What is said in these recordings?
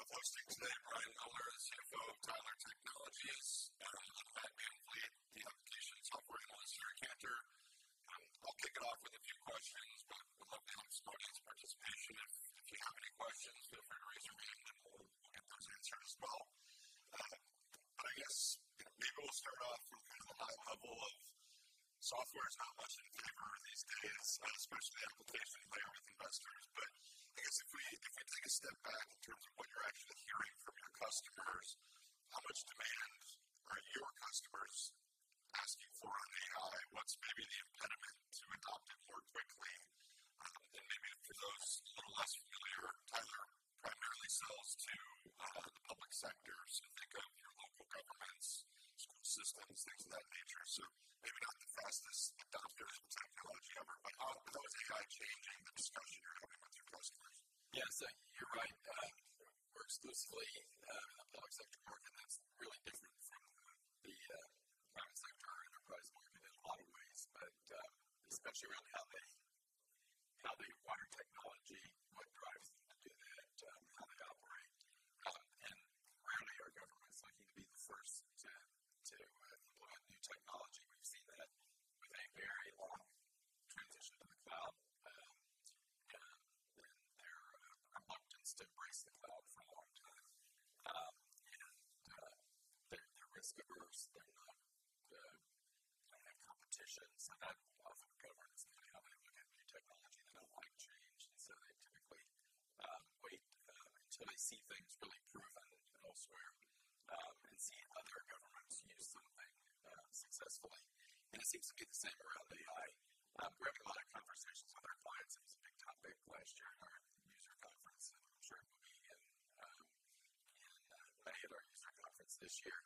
Hosting today, Brian Miller, the CFO of Tyler Technologies. I'm Matt VanVliet at the Applications Software Investor. I'll kick it off with a few questions, but would love to have some audience participation. If you have any questions, feel free to raise your hand, and we'll have Brian answer as well. I guess maybe we'll start off with kind of a high level of software is not much in favor these days, especially in the application layer with investors. I guess if we take a step back in terms of what you're actually hearing from your customers, how much demand are your customers asking for on AI? What's maybe the impediment to adopting more quickly? Maybe for those who are less familiar, Tyler primarily sells to the public sectors, government, your local governments, school systems, things of that nature. Maybe not the fastest adopters in some technology, but what is the high-changing discussion you're hearing with your customers? Yeah, you're right. We work exclusively in the public sector. That's really different than the private sector enterprise market in a lot of ways, but especially around how they want our technology, what priorities they do that, how they operate. Rarely are governments looking to be the first to deploy new technology. We've seen that with a very long transition to the cloud. They're reluctant to embrace the cloud for a long time. They're risk-averse. They have competitions and RFP programs and they don't want to implement new technology. They don't like change. They typically wait until they see things really proven elsewhere and see other governments use something successfully. It seems to be the same around AI. We have a lot of conversations with our clients. It was a big topic last year at our user conference. I'm sure it will be at our user conference this year.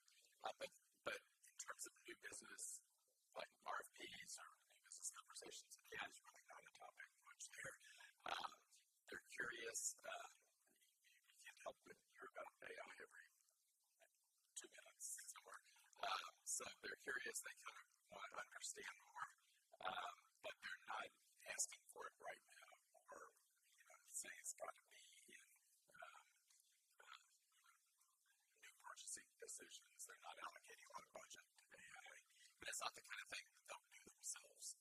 In terms of new business like RFPs or new business conversations, again, it's really not a topic much there. They're curious about AI every two minutes or so. They're curious. They kinda wanna understand more, but they're not asking for it right now or, you know, saying it's gonna be new purchasing decisions. They're not allocating a lot of budget to AI, but it's not the kind of thing that they'll do themselves.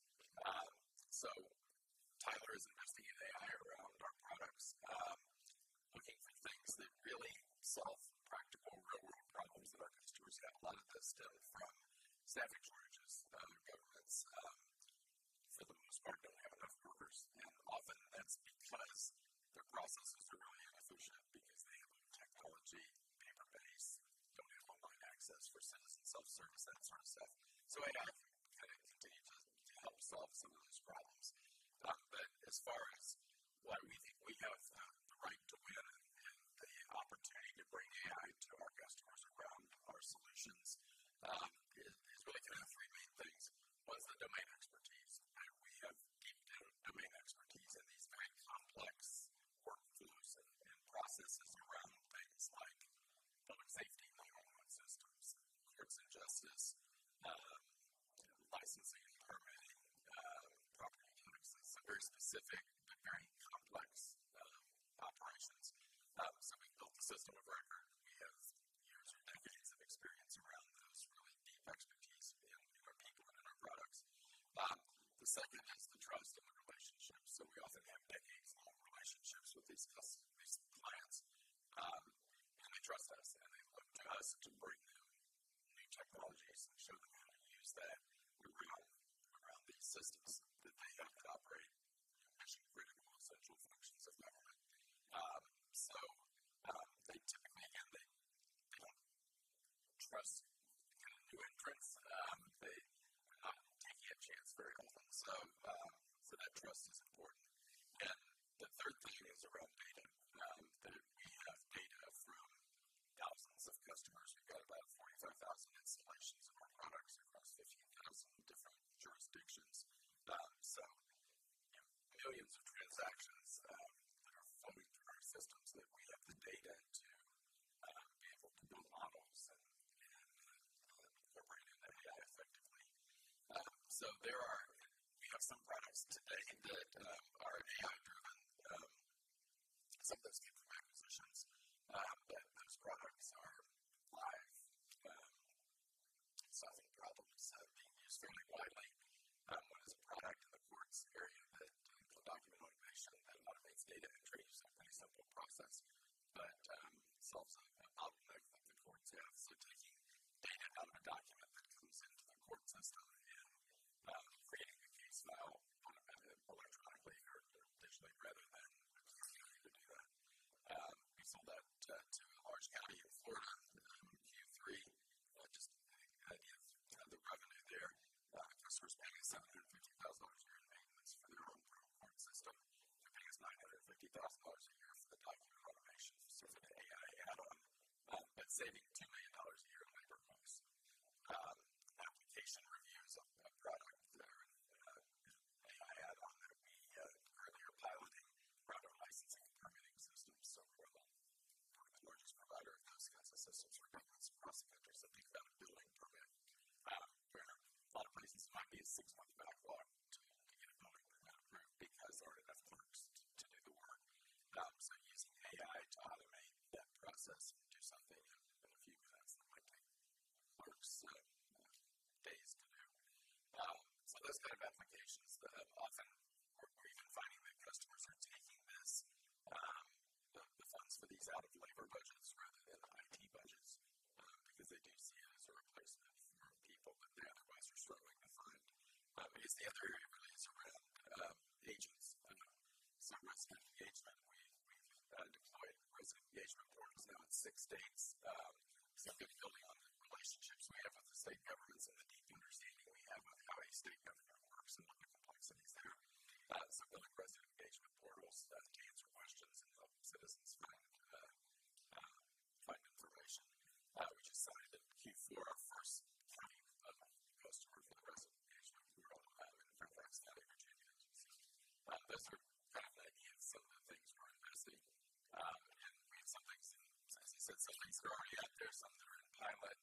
Tyler is investing in AI around our products, looking for things that really solve practical real-world problems that our customers have. A lot of this stems from staffing shortages. Their governments, for the most part, don't have enough workers, and often that's because their processes are really inefficient because they have old technology, paper-based, don't have online access for citizens, self-service, that sort of stuff. AI can help solve some of those problems. As far as why we think we have the right to win and the opportunity to bring AI to our customers around our solutions, it's really kind of three main things. One is the domain expertise. We have deep domain expertise in these very complex workflows and processes around things like public safety, criminal justice systems, courts and justice, to licensing, permitting, property taxes. Very specific but very complex operations. We built the system of record. We have years or decades of experience around those really deep expertise in our people and in our products. The second is the trust and the relationships. We often have decades-long relationships with these customers and clients, and they trust us, and they look to us to bring them new technologies and show them how to use that. We're really around these systems that they help operate, actually critical essential functions of government. They typically, I think, don't trust new entrants. They are not taking a chance very often. That trust is important. The third thing is around data. That we have data from thousands of customers. We've got about 45,000 installations of our products across 15,000 different jurisdictions. Millions of transactions are flowing through our systems that we have the data to be able to build models and operate in that data effectively. We have some products today that already have some of those capabilities. Those products are live, solving problems extremely widely as a product, a courts area that does document automation. That automates data entry, which is a pretty simple process, but solves a problem in courts. Yeah. Taking data out of a document government works and the complexities there. Building resident engagement portals that can answer questions and help citizens find information. We just signed in Q4 our first county customer for resident engagement. We were on a pilot and it performs really well. Those are kind of some of the things we're investing. Some things, as you said, some things are already out there, some that are in a pilot,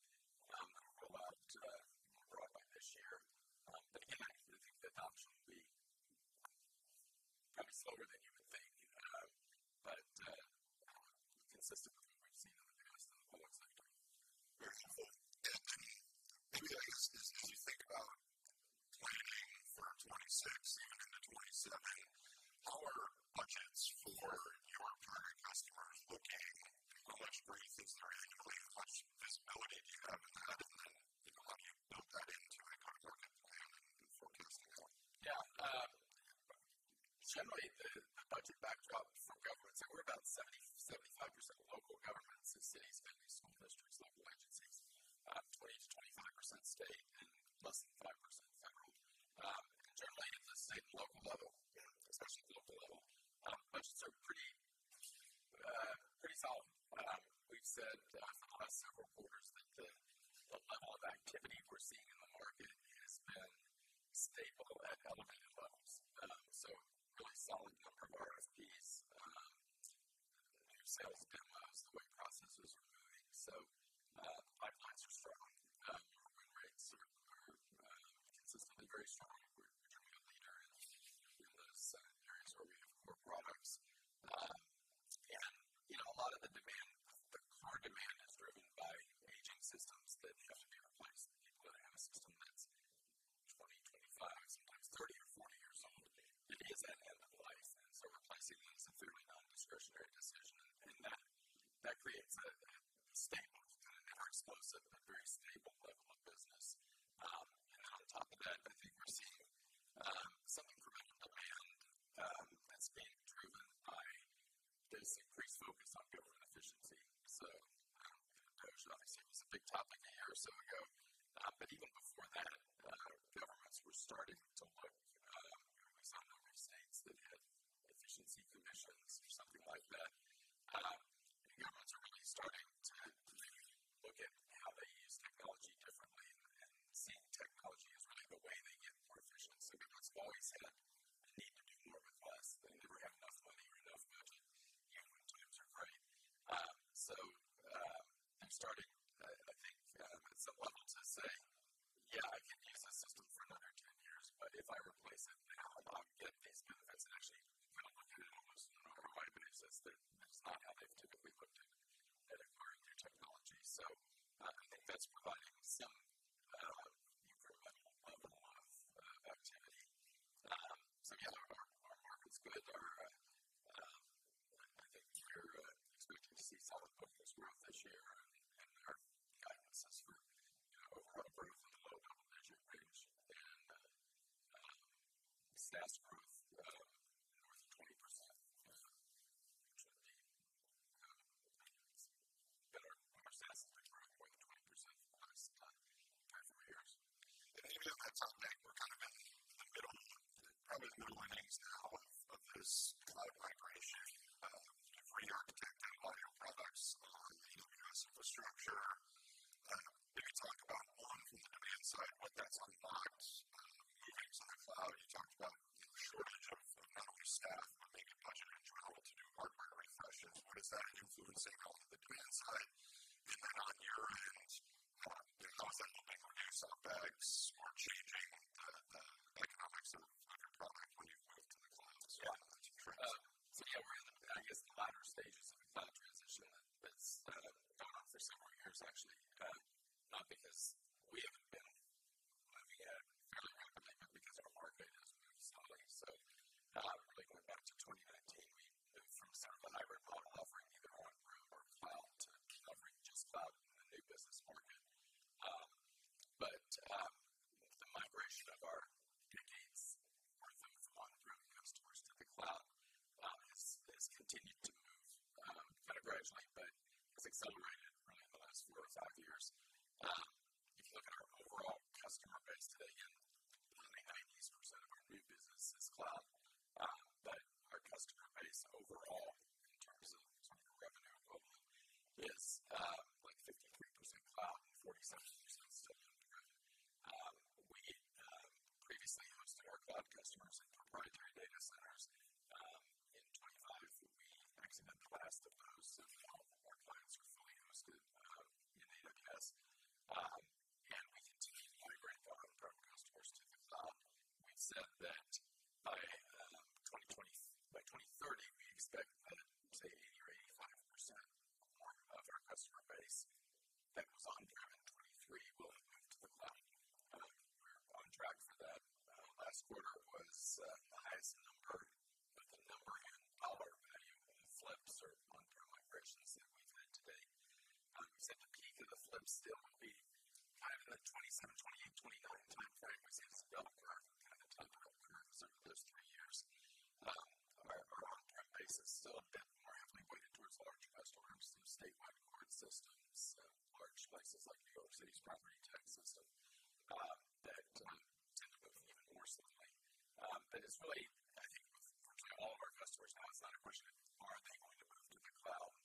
on government efficiency. You know, obviously it was a big topic a year or so ago. Even before that, governments were starting to look. We always had a number of states that had efficiency commissions or something like that. Governments are really starting improvement on level of activity. Yeah, our market's good. I think we're starting to see solid bookings growth this year. Our SaaS group overall growth of 20%. The SaaS group north of 20% growth year to date. Our SaaS lines growing at 20% plus for four years. Even if that's something that we're kind of in the middle of, probably the middle innings now of this cloud migration, to rearchitect all your products on new infrastructure. We can talk about on the demand side what that's combined, moving to the cloud. You talked about the shortage of qualified staff making it much more difficult to do partner refreshes. What is that doing to the demand side even on your end? When it comes to like moving some bags or changing the economics of your product moving to the cloud as well as you transition? Yeah. Yeah, we're in the, I guess, latter stages of a cloud transition that's gone on for several years actually. Not because we haven't been wanting it, but more because our market has moved slowly. I think going back to 2019, we moved from selling a hybrid cloud offering either on-prem or cloud to offering just cloud in a new business market. The migration of our decades worth of on-prem customers to the cloud has continued to move kind of gradually, but it's accelerated really in the last 4-5 years. If you look at our overall customer base today, nearly 90% of our new business is cloud. But our customer base overall in terms of total revenue is like 53% cloud and 47% still on-prem. We previously hosted our cloud customers in proprietary data centers. AWS. We continue to migrate our current customers to the cloud. We said that by 2030, we expect that say 80% or 85% of our customer base that was on-prem in 2023 will have moved to the cloud. We're on track for that. Last quarter was the highest number and dollar value in flips or on-prem migrations that we've had to date. We said the peak of the flips still would be kind of in the 2027, 2028, 2029 timeframe because we had a spell where we were kind of tugging on the brakes over those three years. Our on-prem base is still definitely weighted towards larger customers, some statewide court systems, large places like New York City's primary tech system, that move more slowly. It's really, I think, fortunately all of our customers now. It's not a question of are they going to move to the cloud.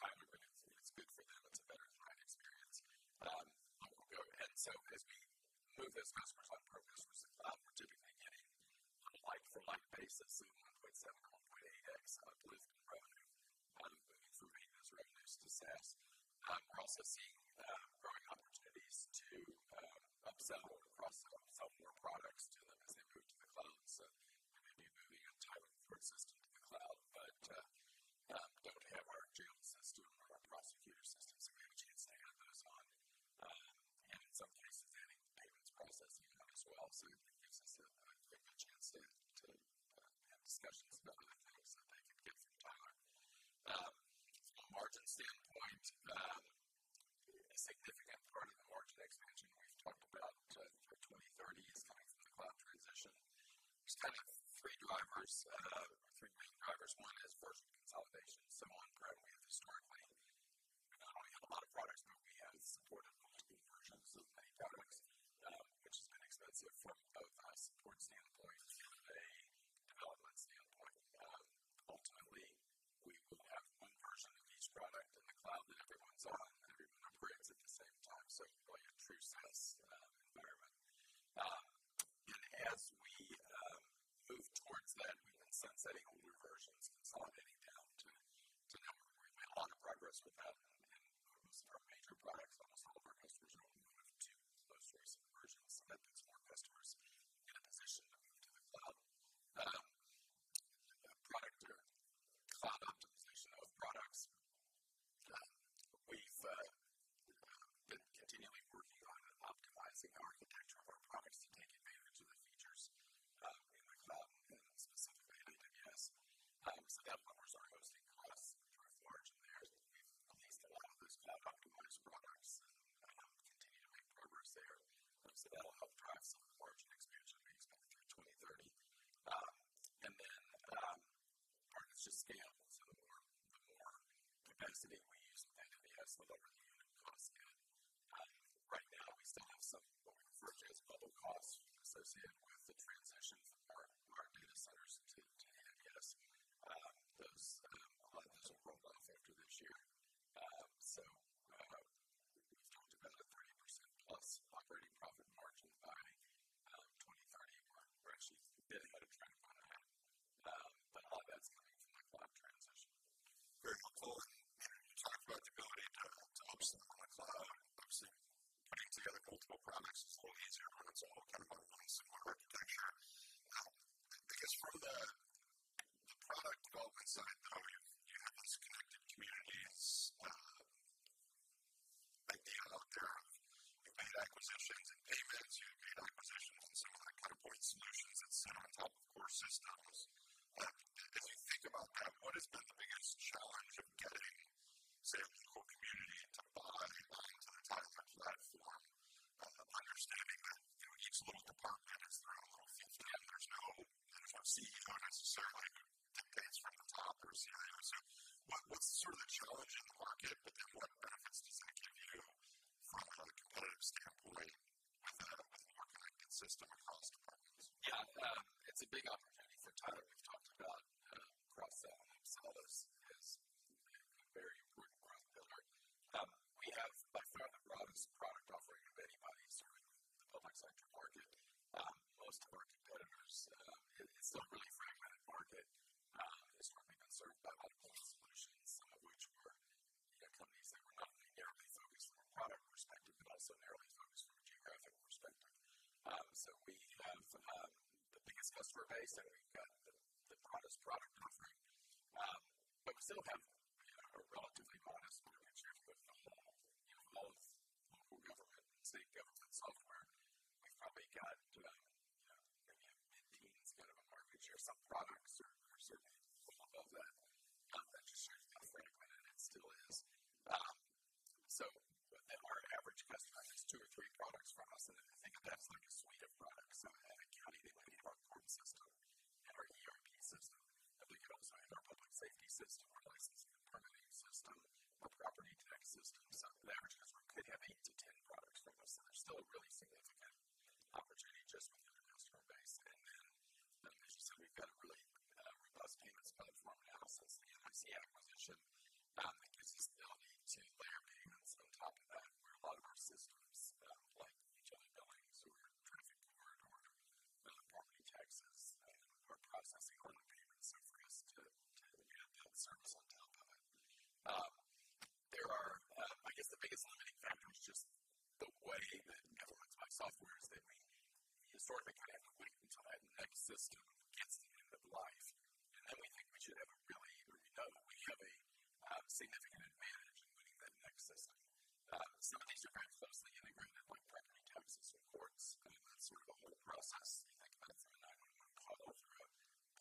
We're trying to convince them why they should. Our customers all understand the benefits that they get. It's good for Tyler, but it's good for them. It's a better end experience. We'll go ahead. As we move those customers on-premises, we're typically getting a like-for-like basis in 1.7-1.8x of revenue moving from these revenues to SaaS. We're also seeing growing opportunities to upsell or cross-sell more products to them as they move to the cloud. We may be moving an entire court system to the cloud, but they don't have our jail system or our prosecutor system solutions. They have those on-prem. In some cases, they have payments processing as well. It gives us the chance to have discussions about other things that they can get from Tyler. From a margin standpoint, a significant part of the margin expansion we've talked about for 2030 is coming from the cloud transition. There's kind of three main drivers. One is first consolidation. On-prem, we historically had a lot of products, but we had supported multiple versions of many products, which has been expensive from both a support for Tyler. We've talked about cross-sell and upsell is a very important growth pillar. We have by far the broadest product offering of anybody serving the public sector market. Most of our competitors, it is a really fragmented market, historically been served by a lot of point solutions, which were, you know, companies that were not narrowly focused from a product perspective, but also narrowly focused from a geographical perspective. So we have the biggest customer base, and we've got the broadest product offering. But we still have a relatively modest penetration with, you know, most local government and state government software. We've probably got, you know, maybe 15%-20% of the market share, some products or certain pieces of that. That just shows you how fragmented it still is. Our average customer has two or three products from us. If you think of that suite of products, if you had a county that might need our court system and our ERP system, Odyssey, our public safety system, our licensing and permitting system, our property tax system. The average customer could have 8-10 products from us, and there's still a really significant opportunity just within the customer base. We've been really buzzed about the Connected Communities, the NIC acquisition. Our systems integrate well. We're transferring our property taxes and we're processing our payments for us to begin full service on telephone. There are, I guess the biggest limiting factor is just the way that government-wide software is that we historically kind of wait until that next system hits the end of life, and we think we should have a really good read on when we have a significant advantage with that next system. Some of these are very closely integrated like property taxes and courts. I mean, that's sort of the whole process. You think about it from a 911 call to a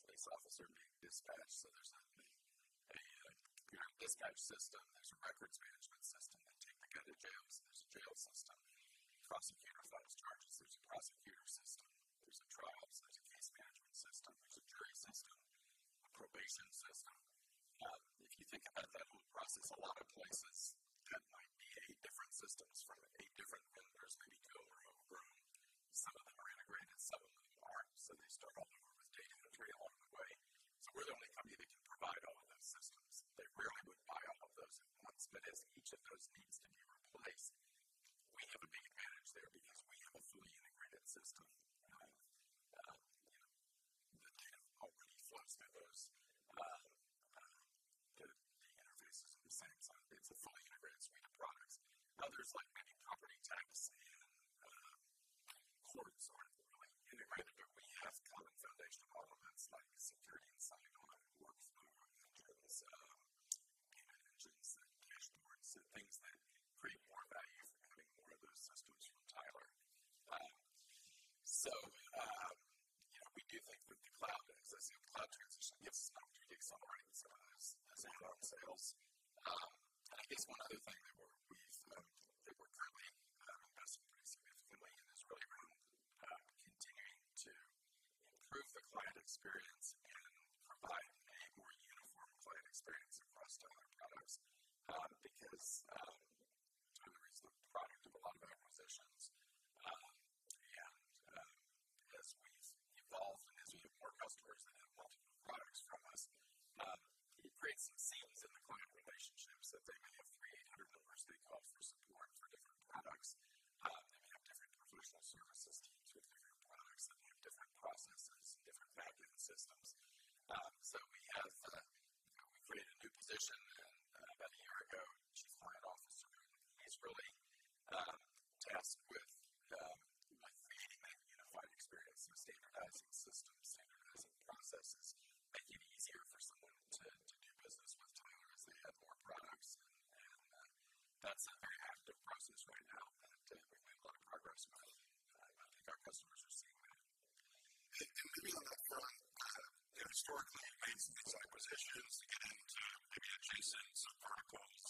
police officer being dispatched. There's got to be a dispatch system. There's a records management system. They take them to jail, so there's a jail system. Prosecutor files charges, there's a prosecutor system, there's the trials, there's a case management system, there's a jury system, a probation system. If you think about that whole process, a lot of places that might be eight different systems from eight different vendors. We go or homegrown. Some of them are integrated, some of them aren't. They start off with data entry all the way. We're the only company that can provide all of those systems. They rarely would buy all of those at once, but as each of those needs to be replaced, we have a big advantage there because we have a fully integrated system. You know, the data already flows to those, the interfaces the same. It's a fully integrated suite of products. Others, like many property taxes and courts aren't fully integrated, but we have common foundational elements like security and sign on that works through those payment engines and case courts and things that create more value for having more of those systems from Tyler. You know, we do think we'll be cloud-based. That's a cloud transition that gives some great results as we grow our sales. I guess one other thing that we're currently investing in significantly and has really been continuing to improve the client experience and provide a more uniform client experience across different products. Because Tyler is the product of a lot of acquisitions, and as we've evolved and as we get more customers that have multiple products from us, it creates some seams in the client relationships that they may have $300 they call for support for different products, and have different customer service teams with different products that have different processes and different back end systems. We have, you know, we created a new position about a year ago, Chief Client Officer, who is really tasked with creating that unified experience through standardizing systems, standardizing processes, making it easier for someone to do business with Tyler as they add more products. That's a very active process right now that I think we've made a lot of progress with, and I think our customers are seeing that. Historically, these acquisitions into adjacencies or verticals,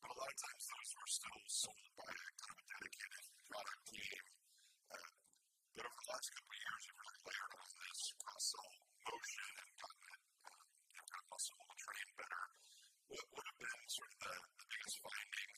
a lot of times those were still sold by a kind of dedicated product team. You know, over the last couple of years, we're really playing on this cross-sell approach to make it more possible to train better with the sales rep as well as maybe help read that opp and sort of escape the client relationship and create networks there to sell more products.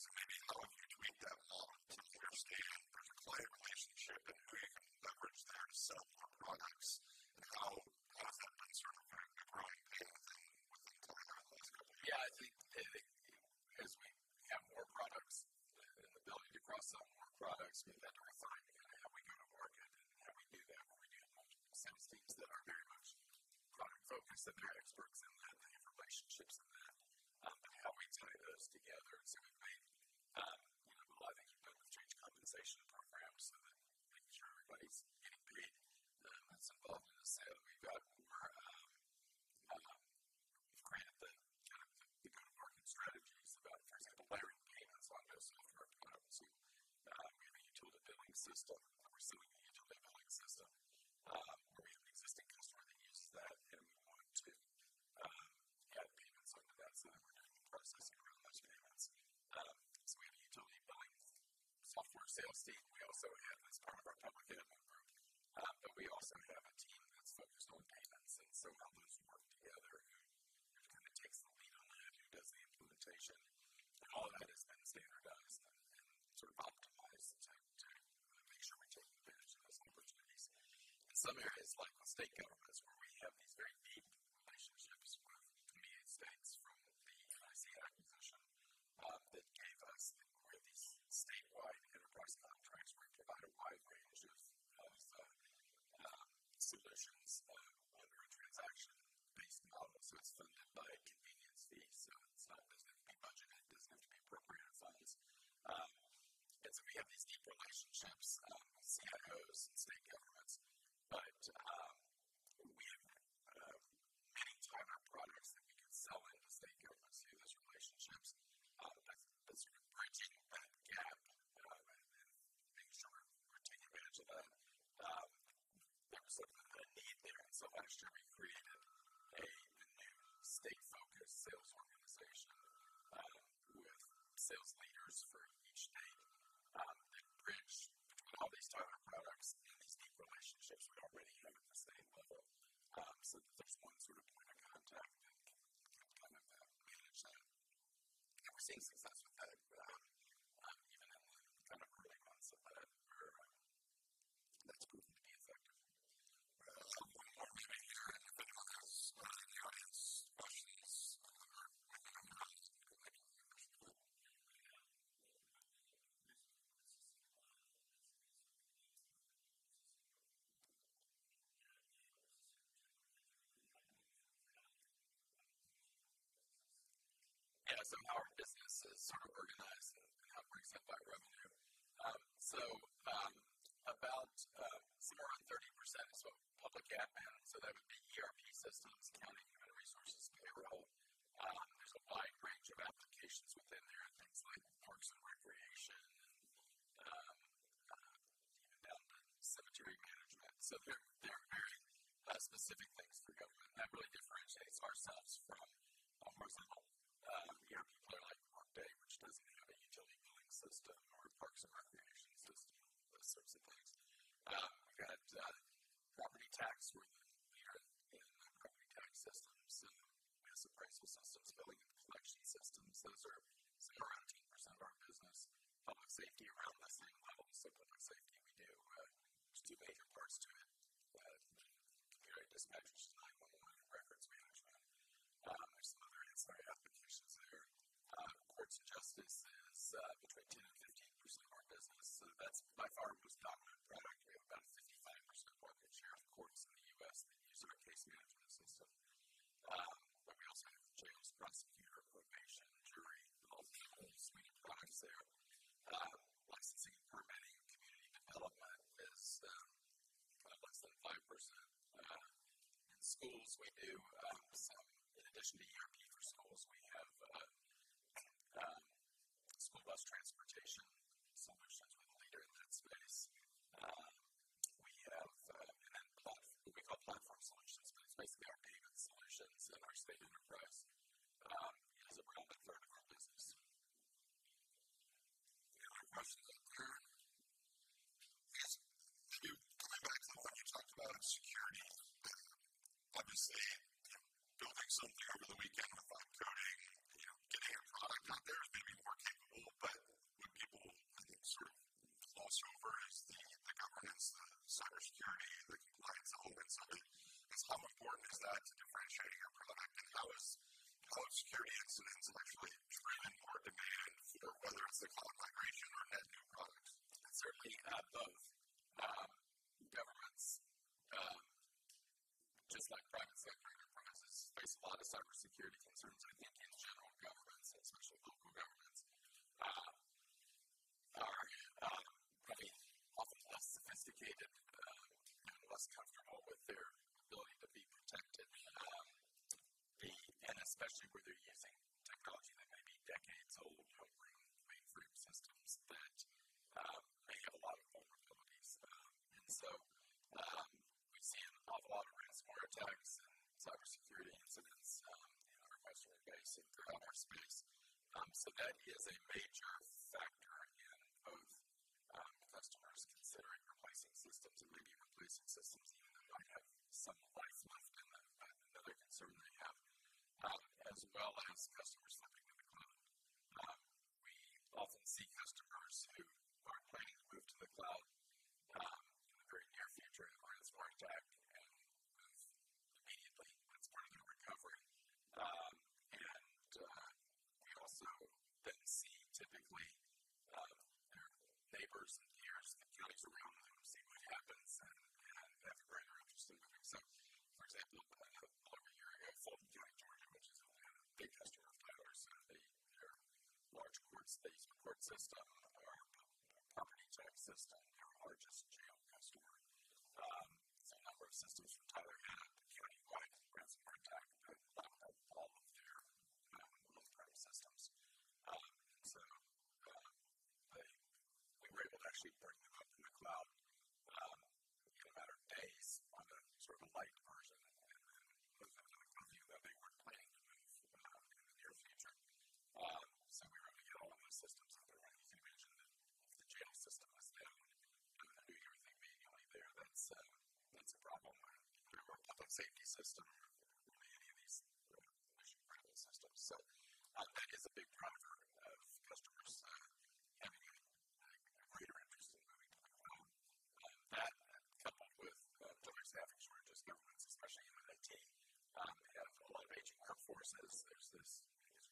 How does software sales team. We also have as part of our public benefit group, but we also have a team that's focused on payments. All those work together. Kind of takes the lead on that, does the implementation, and all of that is then standardized and sort of optimizes the time to make sure we're taking advantage of those opportunities. In some areas like state governments where we have these very deep relationships with community states from the NIC acquisition, that gave us more of these statewide enterprise contracts where we provide a wide range of solutions, whether a transaction-based product system by convenience fees. There's going to be budget, there's going to be appropriate funds. We have these deep relationships with CIOs and state governments. We have many Tyler products that we can sell into state governments through those relationships, that's sort of bridging that gap and making sure we're taking advantage of them. There was a need there. Last year we created a new state-focused sales organization with sales leaders for each state that bridge all these Tyler products and these deep relationships we already have in the state level. There's one sort of point of contact and one way to manage that. We're seeing success with that. You know. Yeah, how our business is sort of organized breaks up by revenue. About somewhere around 30% is what public admin, so that would be ERP systems, accounting, human resources, payroll. There's a wide range of applications within there, things like parks and recreation, and even down to cemetery management. They're very specific things for government that really differentiates ourselves from horizontal ERP player like Workday, which doesn't have a utility billing system or a parks and recreation system, those sorts of things. We've got property tax where we have, you know, property tax systems and mass appraisal systems, billing and collection systems. Those are somewhere around 10% of our business. Public safety around the same level. Public safety, we do, there's two major parts to it. Case management, like when you want your records management. There's some other ancillary applications there. Courts and justice is between 10% and 15% of our business. That's by far our most dominant product. We have about a 55% market share of courts in the U.S. that use our case management system. We also have jails, prosecutor, probation, and jury, a multitude of suite products there. Licensing, permitting, and community development is less than 5%. In schools, in addition to ERP for schools, we have school bus transportation solutions. We're the leader in that space. We have an end-to-end platform, what we call platform solutions, but it's basically our payment solutions and our state enterprise as a product. It's around 3rd of our business. Any other questions on there? Yes. Going back to the point you talked about security, obviously building something over the weekend with cloud computing and, you know, getting a product out there is maybe more capable, but what people, I think, sort of gloss over is the governance, the cybersecurity requirements and all that stuff. How important is that to differentiating your product? Because those security incidents are extremely important whether it's a cloud migration or a net new product. Certainly. You have both governments, just like private sector enterprises face a lot of cybersecurity concerns. I think in general, governments, and especially local governments, are probably often less sophisticated, and less comfortable with their ability to be protected, and especially where they're using technology that may be decades old, you know, mainframe systems that may have a lot of vulnerabilities. We've seen an awful lot of ransomware attacks and cybersecurity incidents, in our customer base in the government space. That is a major factor in both customers considering replacing systems and maybe replacing systems even if they might have some life left in them. Another concern they have, as well as customers looking to the cloud. We often see customers who are planning to move to the cloud, in the very near future and are ransomware attacked and move immediately once we're in their recovery. We also then see typically their neighbors and peers and counties around them see what happens, and that's very interesting. For example, up here we have Fulton County, safety system. We have these, you know, mission-critical systems. That is a big driver of customers having a greater interest in moving to the cloud. That coupled with the other challenges for just governments, especially in IT, they have a lot of aging workforces. There's this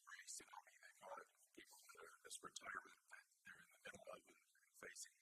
gray tsunami. They call it people that are just retiring, and they're in the middle of it facing